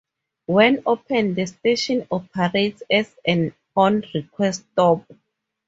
When open, the station operates as an on-request stop.